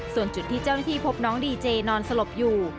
ส่วนจุดที่เจ้าหน้าที่พบน้องดีเจนอนสลบอยู่